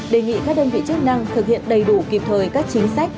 đề nghị các đơn vị chức năng thực hiện đầy đủ kịp thời các chính sách